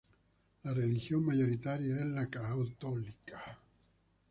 La religión mayoritaria es la católica.